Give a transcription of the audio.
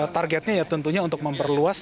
targetnya ya tentunya untuk memperluas